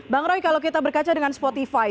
bang roy kalau kita berkaca dengan spotify